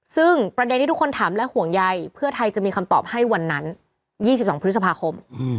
ซึ่งประเด็นที่ทุกคนถามและห่วงใยเพื่อไทยจะมีคำตอบให้วันนั้น๒๒พฤษภาคม